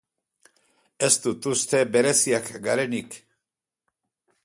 Ez dut uste bereziak garenik.